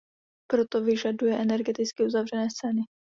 Proto vyžaduje energeticky uzavřené scény.